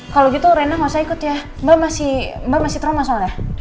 kalau gitu reina gak usah ikut ya mbak masih trauma soalnya